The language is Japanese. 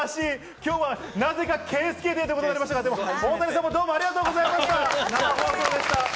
今日はなぜか圭祐デーということになりましたが、大谷さん、どうもありがとうございました。